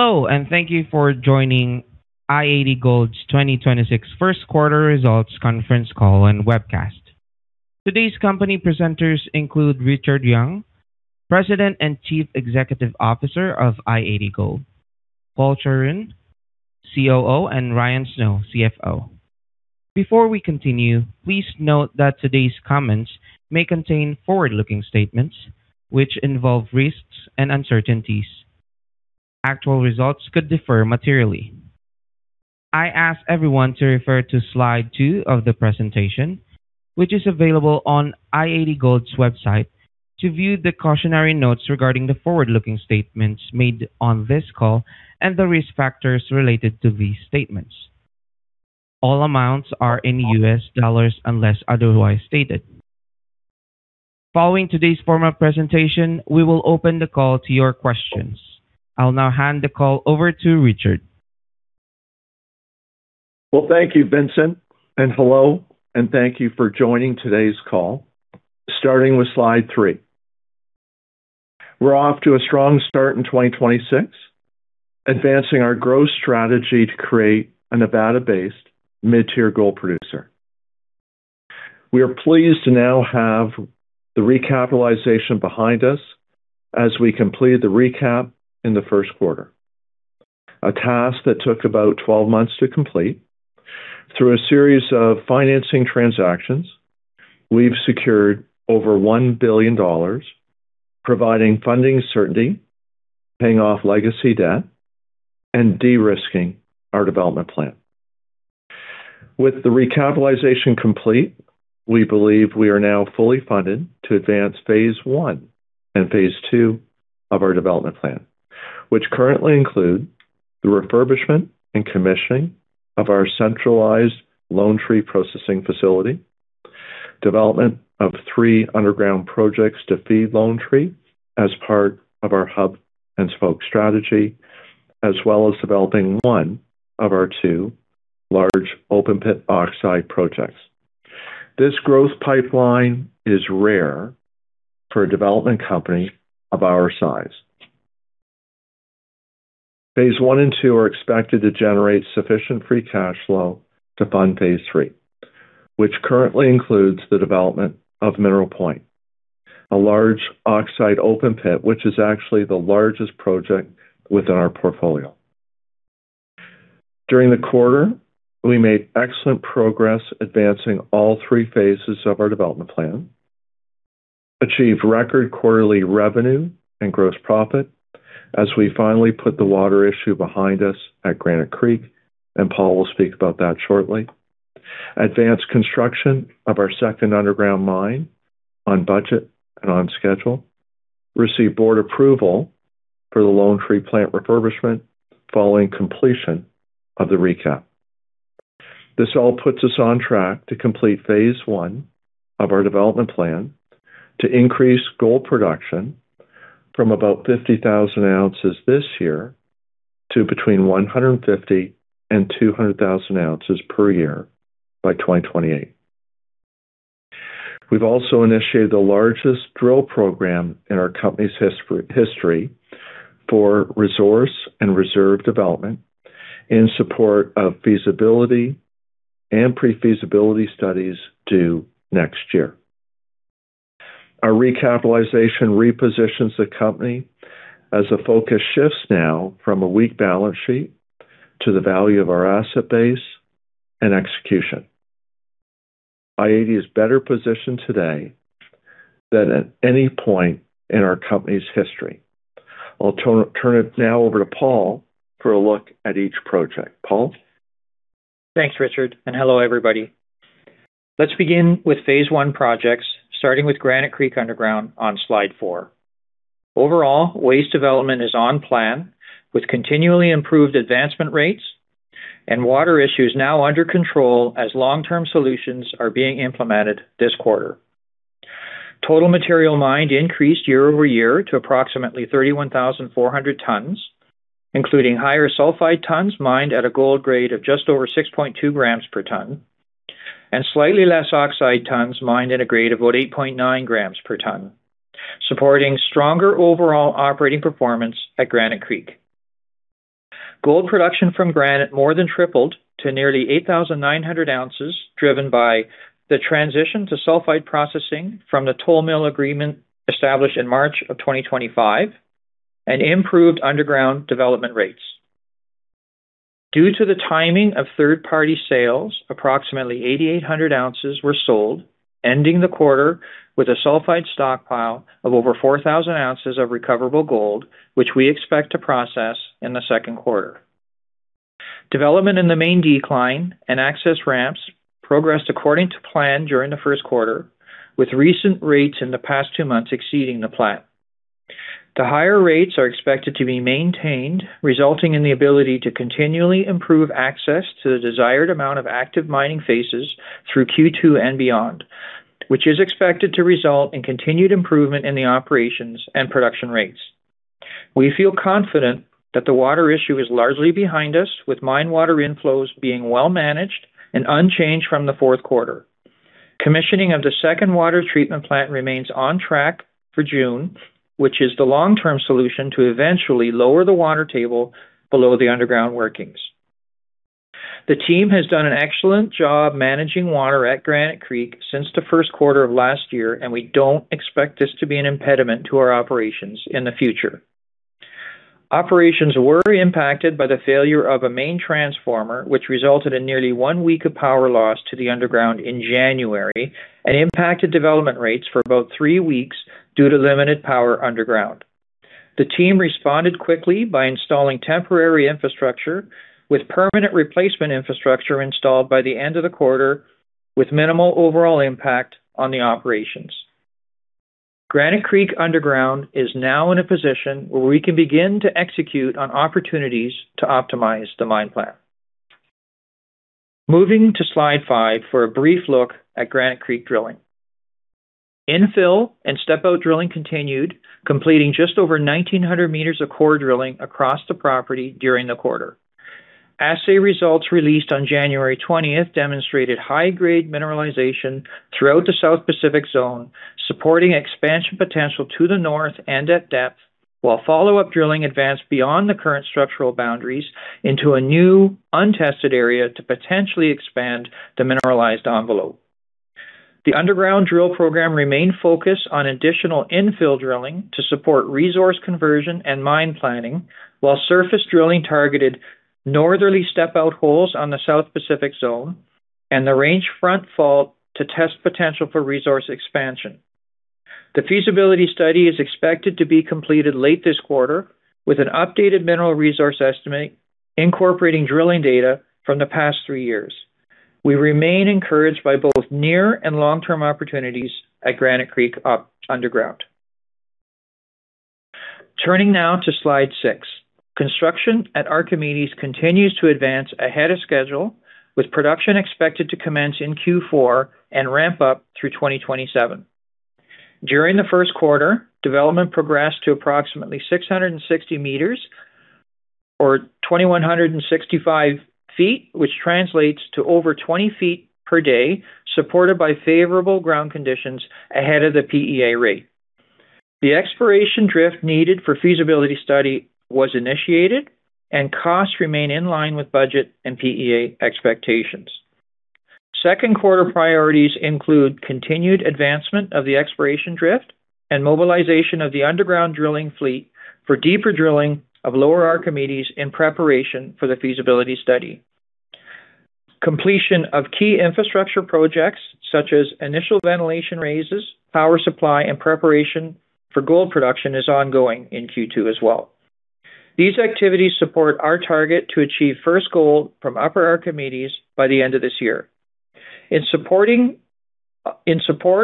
Hello, and thank you for joining i-80 Gold's 2026 first quarter results conference call and webcast. Today's company presenters include Richard Young, President and Chief Executive Officer of i-80 Gold, Paul Chawrun, COO, and Ryan Snow, CFO. Before we continue, please note that today's comments may contain forward-looking statements which involve risks and uncertainties. Actual results could differ materially. I ask everyone to refer to slide two of the presentation, which is available on i-80 Gold's website to view the cautionary notes regarding the forward-looking statements made on this call and the risk factors related to these statements. All amounts are in U.S. dollars unless otherwise stated. Following today's formal presentation, we will open the call to your questions. I'll now hand the call over to Richard. Well, thank you, Vincent, and hello, and thank you for joining today's call. Starting with slide three. We're off to a strong start in 2026, advancing our growth strategy to create a Nevada-based mid-tier gold producer. We are pleased to now have the recapitalization behind us as we completed the recap in the first quarter, a task that took about 12 months to complete. Through a series of financing transactions, we've secured over $1 billion, providing funding certainty, paying off legacy debt, and de-risking our development plan. With the recapitalization complete, we believe we are now fully funded to advance Phase I and Phase II of our development plan, which currently include the refurbishment and commissioning of our centralized Lone Tree processing facility, development of three underground projects to feed Lone Tree as part of our hub-and-spoke strategy, as well as developing one of our two large open pit oxide projects. This growth pipeline is rare for a development company of our size. Phase I and II are expected to generate sufficient free cash flow to fund phase III, which currently includes the development of Mineral Point, a large oxide open pit, which is actually the largest project within our portfolio. During the quarter, we made excellent progress advancing all three phases of our development plan, achieved record quarterly revenue and gross profit as we finally put the water issue behind us at Granite Creek and Paul Chawrun will speak about that shortly. Advanced construction of our second underground mine on budget and on schedule. Received board approval for the Lone Tree plant refurbishment following completion of the recap. This all puts us on track to complete Phase I of our development plan to increase gold production from about 50,000 ounces this year to between 150,000 and 200,000 ounces per year by 2028. We've also initiated the largest drill program in our company's history for resource and reserve development in support of feasibility and pre-feasibility studies due next year. Our recapitalization repositions the company as the focus shifts now from a weak balance sheet to the value of our asset base and execution. i-80 is better positioned today than at any point in our company's history. I'll turn it now over to Paul for a look at each project. Paul? Thanks, Richard, and hello, everybody. Let's begin with Phase I projects, starting with Granite Creek underground on slide four. Overall, waste development is on plan with continually improved advancement rates and water issues now under control as long-term solutions are being implemented this quarter. Total material mined increased year-over-year to approximately 31,400 tons, including higher sulfide tons mined at a gold grade of just over 6.2 g per ton and slightly less oxide tons mined at a grade of about 8.9 g per ton, supporting stronger overall operating performance at Granite Creek. Gold production from Granite more than tripled to nearly 8,900 ounces, driven by the transition to sulfide processing from the toll mill agreement established in March of 2025 and improved underground development rates. Due to the timing of third-party sales, approximately 8,800 ounces were sold, ending the quarter with a sulfide stockpile of over 4,000 ounces of recoverable gold, which we expect to process in the second quarter. Development in the main decline and access ramps progressed according to plan during the first quarter, with recent rates in the past two months exceeding the plan. The higher rates are expected to be maintained, resulting in the ability to continually improve access to the desired amount of active mining phases through Q2 and beyond, which is expected to result in continued improvement in the operations and production rates. We feel confident that the water issue is largely behind us, with mine water inflows being well managed and unchanged from the fourth quarter. Commissioning of the second water treatment plant remains on track for June, which is the long-term solution to eventually lower the water table below the underground workings. The team has done an excellent job managing water at Granite Creek since the first quarter of last year, and we don't expect this to be an impediment to our operations in the future. Operations were impacted by the failure of a main transformer, which resulted in nearly one week of power loss to the underground in January and impacted development rates for about three weeks due to limited power underground. The team responded quickly by installing temporary infrastructure with permanent replacement infrastructure installed by the end of the quarter with minimal overall impact on the operations. Granite Creek underground is now in a position where we can begin to execute on opportunities to optimize the mine plan. Moving to slide five for a brief look at Granite Creek drilling. Infill and step-out drilling continued, completing just over 1,900 m of core drilling across the property during the quarter. Assay results released on January 20th demonstrated high-grade mineralization throughout the South Pacific Zone, supporting expansion potential to the north and at depth, while follow-up drilling advanced beyond the current structural boundaries into a new, untested area to potentially expand the mineralized envelope. The underground drill program remained focused on additional infill drilling to support resource conversion and mine planning, while surface drilling targeted northerly step-out holes on the South Pacific Zone and the Range Front Fault to test potential for resource expansion. The feasibility study is expected to be completed late this quarter with an updated Mineral Resource Estimate incorporating drilling data from the past three years. We remain encouraged by both near and long-term opportunities at Granite Creek up underground. Turning now to slide six. Construction at Archimedes continues to advance ahead of schedule, with production expected to commence in Q4 and ramp up through 2027. During the first quarter, development progressed to approximately 660 m or 2,165 ft which translates to over 20 ft per day, supported by favorable ground conditions ahead of the PEA rate. The exploration drift needed for feasibility study was initiated and costs remain in line with budget and PEA expectations. Second quarter priorities include continued advancement of the exploration drift and mobilization of the underground drilling fleet for deeper drilling of Lower Archimedes in preparation for the feasibility study. Completion of key infrastructure projects such as initial ventilation raises, power supply, and preparation for gold production is ongoing in Q2 as well. These activities support our target to achieve first gold from Upper Archimedes by the end of this year. In support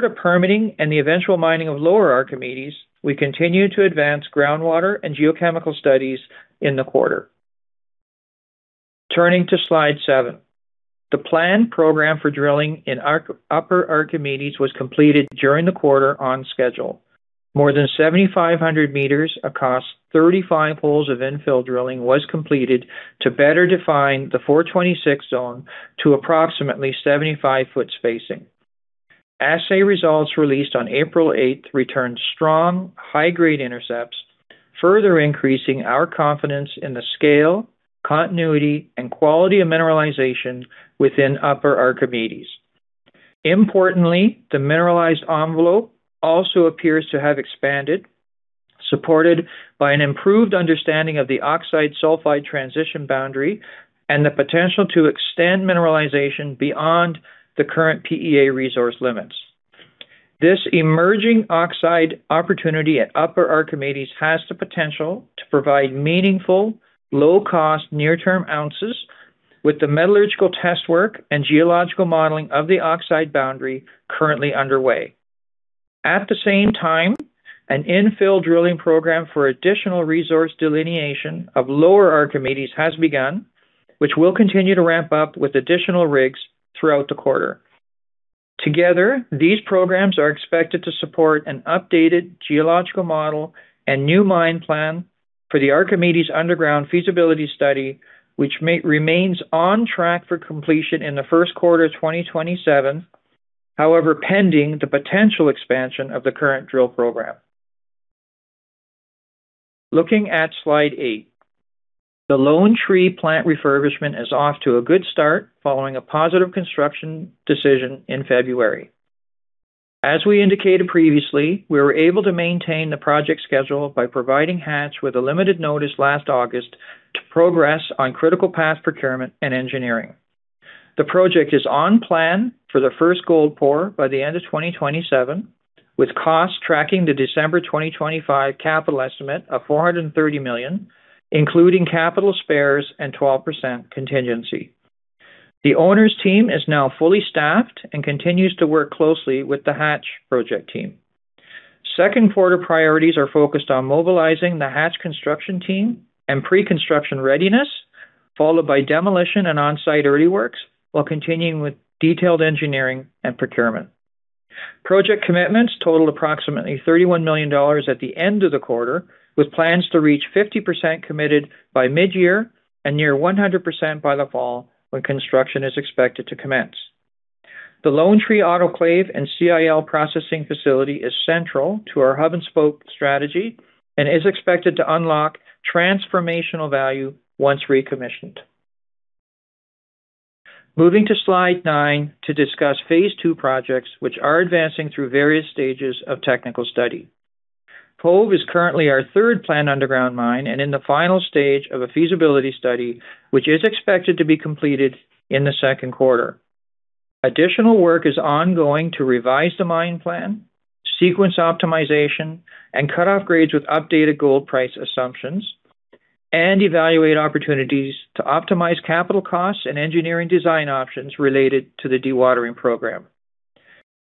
of permitting and the eventual mining of Lower Archimedes, we continue to advance groundwater and geochemical studies in the quarter. Turning to slide seven. The planned program for drilling in Upper Archimedes was completed during the quarter on schedule. More than 7,500 m across 35 holes of infill drilling was completed to better define the 426 Zone to approximately 75 ft spacing. Assay results released on April 8 returned strong, high-grade intercepts, further increasing our confidence in the scale, continuity, and quality of mineralization within Upper Archimedes. Importantly, the mineralized envelope also appears to have expanded, supported by an improved understanding of the oxide-sulfide transition boundary and the potential to extend mineralization beyond the current PEA resource limits. This emerging oxide opportunity at Upper Archimedes has the potential to provide meaningful, low-cost, near-term ounces with the metallurgical test work and geological modeling of the oxide boundary currently underway. At the same time, an infill drilling program for additional resource delineation of Lower Archimedes has begun, which will continue to ramp up with additional rigs throughout the quarter. Together, these programs are expected to support an updated geological model and new mine plan for the Archimedes underground feasibility study, which may remains on track for completion in the first quarter of 2027, however, pending the potential expansion of the current drill program. Looking at slide 8. The Lone Tree plant refurbishment is off to a good start following a positive construction decision in February. As we indicated previously, we were able to maintain the project schedule by providing Hatch with a limited notice last August to progress on critical path procurement and engineering. The project is on plan for the first gold pour by the end of 2027, with costs tracking the December 2025 capital estimate of $430 million, including capital spares and 12% contingency. The owner's team is now fully staffed and continues to work closely with the Hatch project team. Second quarter priorities are focused on mobilizing the Hatch construction team and preconstruction readiness, followed by demolition and on-site early works while continuing with detailed engineering and procurement. Project commitments totaled approximately $31 million at the end of the quarter, with plans to reach 50% committed by mid-year and near 100% by the fall when construction is expected to commence. The Lone Tree autoclave and CIL processing facility is central to our hub-and-spoke strategy and is expected to unlock transformational value once recommissioned. Moving to slide nine to discuss Phase II projects which are advancing through various stages of technical study. Cove is currently our third planned underground mine and in the final stage of a feasibility study, which is expected to be completed in the second quarter. Additional work is ongoing to revise the mine plan, sequence optimization, and cut off grades with updated gold price assumptions and evaluate opportunities to optimize capital costs and engineering design options related to the dewatering program.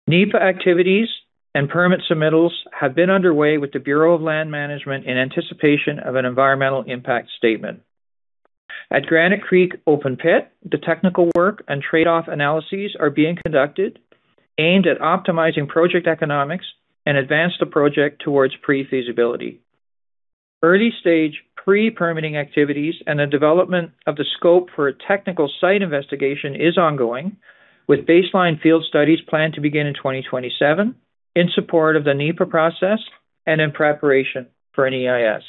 NEPA activities and permit submittals have been underway with the Bureau of Land Management in anticipation of an Environmental Impact Statement. At Granite Creek Open Pit, the technical work and trade-off analyses are being conducted, aimed at optimizing project economics and advance the project towards pre-feasibility. Early-stage pre-permitting activities and the development of the scope for a technical site investigation is ongoing, with baseline field studies planned to begin in 2027 in support of the NEPA process and in preparation for an EIS.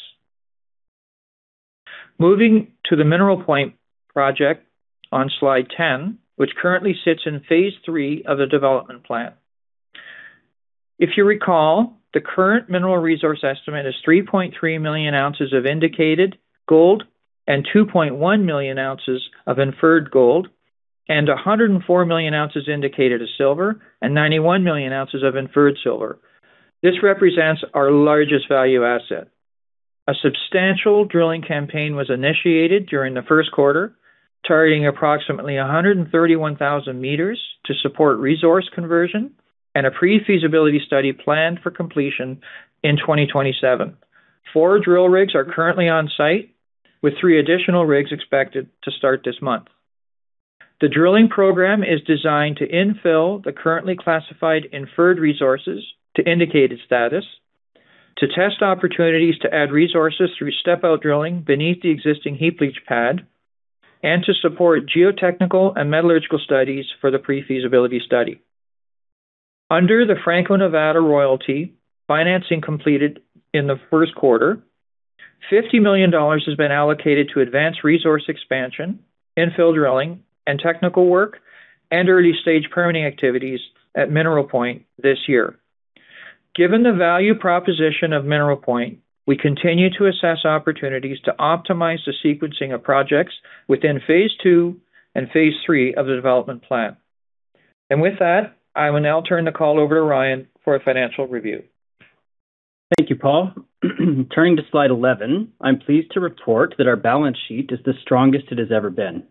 Moving to the Mineral Point project on slide 10, which currently sits in Phase III of the development plan. If you recall, the current Mineral Resource Estimate is 3.3 million ounces of indicated gold and 2.1 million ounces of inferred gold and 104 million ounces indicated as silver and 91 million ounces of inferred silver. This represents our largest value asset. A substantial drilling campaign was initiated during the first quarter, targeting approximately 131,000 m to support resource conversion and a pre-feasibility study planned for completion in 2027. Four drill rigs are currently on site, with three additional rigs expected to start this month. The drilling program is designed to infill the currently classified inferred resources to indicated status, to test opportunities to add resources through step-out drilling beneath the existing heap leach pad, and to support geotechnical and metallurgical studies for the pre-feasibility study. Under the Franco-Nevada royalty, financing completed in the first quarter, $50 million has been allocated to advance resource expansion, infill drilling, and technical work, and early-stage permitting activities at Mineral Point this year. Given the value proposition of Mineral Point, we continue to assess opportunities to optimize the sequencing of projects within Phase II and Phase III of the development plan. With that, I will now turn the call over to Ryan for a financial review. Thank you, Paul. Turning to slide 11, I'm pleased to report that our balance sheet is the strongest it has ever been.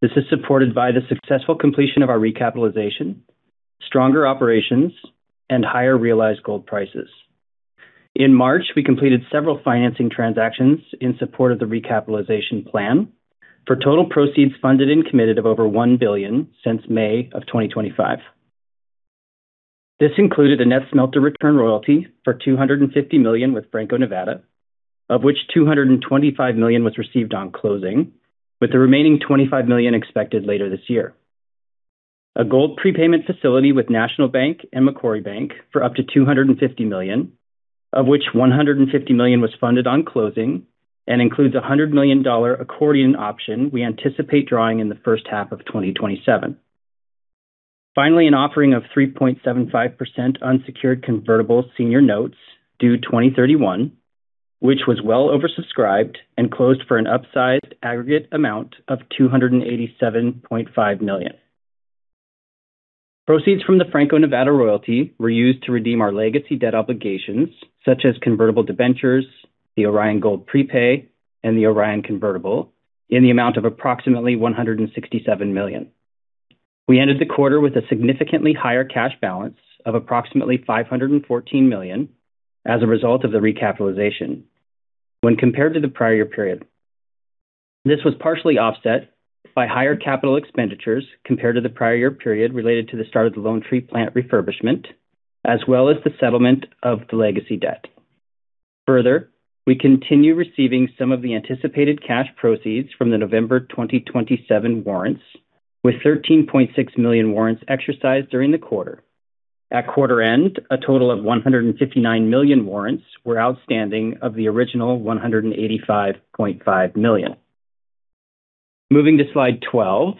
This is supported by the successful completion of our recapitalization, stronger operations, and higher realized gold prices. In March, we completed several financing transactions in support of the recapitalization plan for total proceeds funded and committed of over $1 billion since May of 2025. This included a net smelter return royalty for $250 million with Franco-Nevada, of which $225 million was received on closing, with the remaining $25 million expected later this year. A gold prepayment facility with National Bank and Macquarie Bank for up to $250 million, of which $150 million was funded on closing and includes a $100 million accordion option we anticipate drawing in the first half of 2027. An offering of 3.75% unsecured convertible senior notes due 2031, which was well oversubscribed and closed for an upsized aggregate amount of $287.5 million. Proceeds from the Franco-Nevada royalty were used to redeem our legacy debt obligations, such as convertible debentures, the Orion Gold Prepay, and the Orion convertible in the amount of approximately $167 million. We ended the quarter with a significantly higher cash balance of approximately $514 million as a result of the recapitalization when compared to the prior year period. This was partially offset by higher capital expenditures compared to the prior year period related to the start of the Lone Tree plant refurbishment, as well as the settlement of the legacy debt. Further, we continue receiving some of the anticipated cash proceeds from the November 2027 warrants, with 13.6 million warrants exercised during the quarter. At quarter-end, a total of 159 million warrants were outstanding of the original 185.5 million. Moving to slide 12,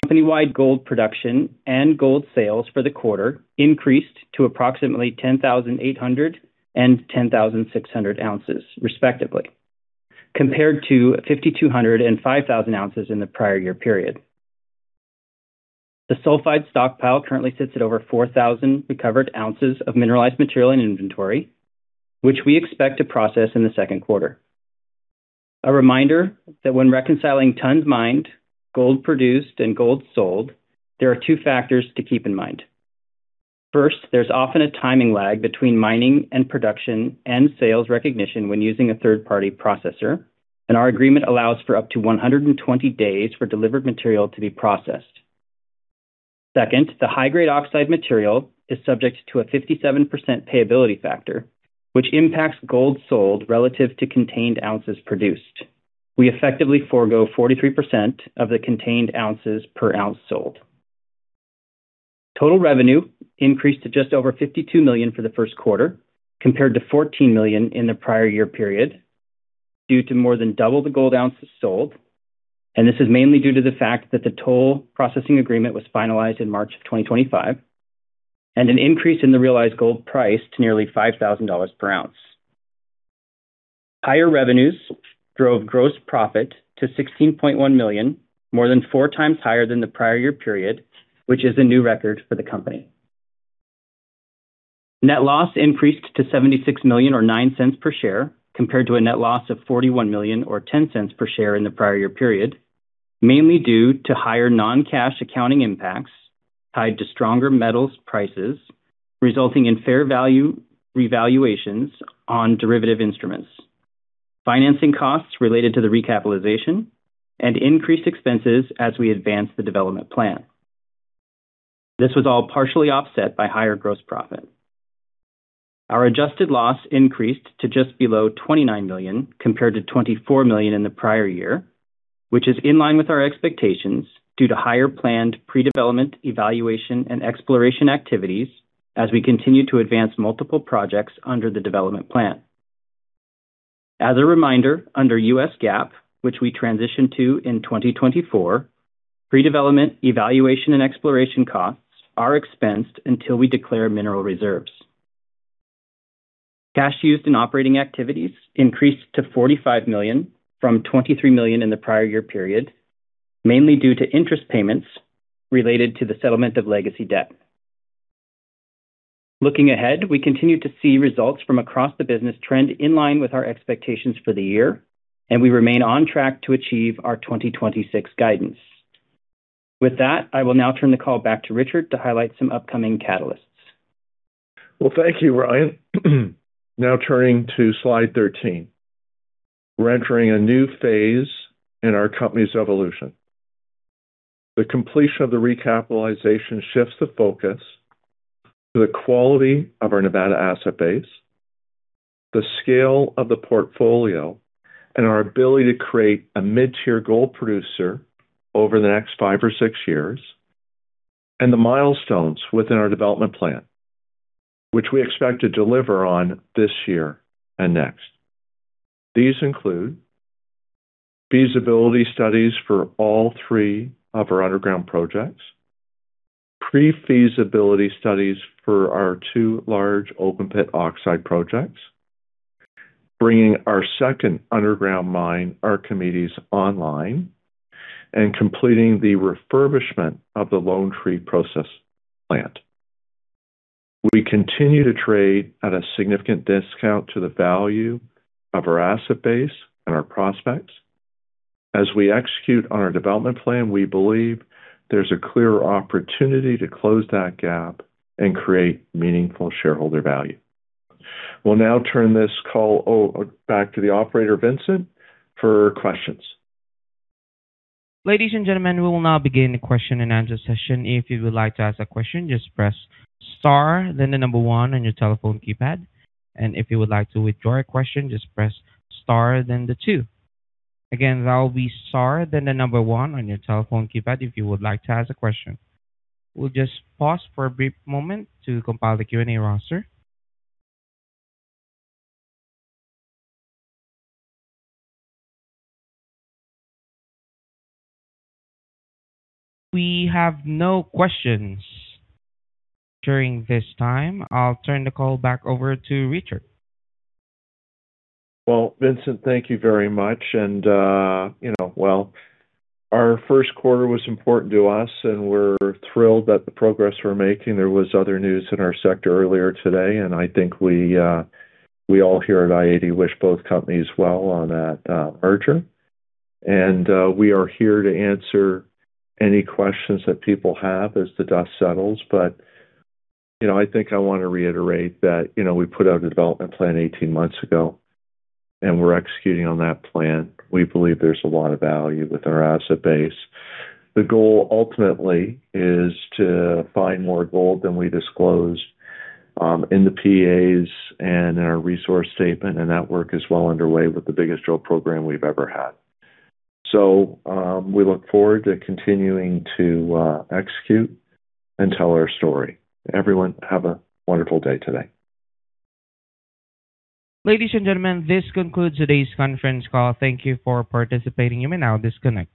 company-wide gold production and gold sales for the quarter increased to approximately 10,800 and 10,600 ounces respectively, compared to 5,200 and 5,000 ounces in the prior year period. The sulfide stockpile currently sits at over 4,000 recovered ounces of mineralized material and inventory, which we expect to process in the second quarter. A reminder that when reconciling tons mined, gold-produced, and gold-sold, there are two factors to keep in mind. First, there's often a timing lag between mining and production and sales recognition when using a third-party processor. Our agreement allows for up to 120 days for delivered material to be processed. Second, the high-grade oxide material is subject to a 57% payability factor, which impacts gold sold relative to contained ounces produced. We effectively forego 43% of the contained ounces per ounce sold. Total revenue increased to just over $52 million for the first quarter, compared to $14 million in the prior year period, due to more than double the gold ounces sold. This is mainly due to the fact that the toll processing agreement was finalized in March of 2025 and an increase in the realized gold price to nearly $5,000 per ounce. Higher revenues drove gross profit to $16.1 million, more than 4x higher than the prior year period, which is a new record for the company. Net loss increased to $76 million or $0.09 per share, compared to a net loss of $41 million or $0.10 per share in the prior year period, mainly due to higher non-cash accounting impacts tied to stronger metals prices, resulting in fair value revaluations on derivative instruments, financing costs related to the recapitalization and increased expenses as we advance the development plan. This was all partially offset by higher gross profit. Our adjusted loss increased to just below $29 million compared to $24 million in the prior year, which is in line with our expectations due to higher planned pre-development evaluation and exploration activities as we continue to advance multiple projects under the development plan. As a reminder, under U.S. GAAP, which we transitioned to in 2024, pre-development evaluation and exploration costs are expensed until we declare mineral reserves. Cash used in operating activities increased to $45 million from $23 million in the prior year period, mainly due to interest payments related to the settlement of legacy debt. Looking ahead, we continue to see results from across the business trend in line with our expectations for the year, and we remain on track to achieve our 2026 guidance. With that, I will now turn the call back to Richard to highlight some upcoming catalysts. Well, thank you, Ryan. Now, turning to slide 13. We're entering a new phase in our company's evolution. The completion of the recapitalization shifts the focus to the quality of our Nevada asset base, the scale of the portfolio, and our ability to create a mid-tier gold producer over the next five or six years, the milestones within our development plan, which we expect to deliver on this year and next. These include feasibility studies for all three of our underground projects, pre-feasibility studies for our two large open pit oxide projects, bringing our second underground mine, Archimedes, online and completing the refurbishment of the Lone Tree process plant. We continue to trade at a significant discount to the value of our asset base and our prospects. As we execute on our development plan, we believe there's a clear opportunity to close that gap and create meaningful shareholder value. We'll now turn this call back to the operator, Vincent, for questions. Ladies and gentlemen, we will now begin the question-and-answer session. If you would like to ask a question, just press star, then the number one on your telephone keypad. If you would like to withdraw a question, just press star, then the two. That will be star, then the number one on your telephone keypad if you would like to ask a question. We'll just pause for a brief moment to compile the Q&A roster. We have no questions during this time. I'll turn the call back over to Richard. Well, Vincent, thank you very much. You know, well, our first quarter was important to us, and we're thrilled at the progress we're making. There was other news in our sector earlier today. I think we all here at i-80 wish both companies well on that merger and we are here to answer any questions that people have as the dust settles. You know, I think I want to reiterate that, you know, we put out a development plan 18 months ago, and we're executing on that plan. We believe there's a lot of value with our asset base. The goal ultimately is to find more gold than we disclosed in the PEAs and in our resource statement. That work is well underway with the biggest drill program we've ever had. We look forward to continuing to execute and tell our story. Everyone, have a wonderful day today. Ladies and gentlemen, this concludes today's conference call. Thank you for participating. You may now disconnect.